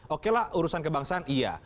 oke lah urusan kebangsaan iya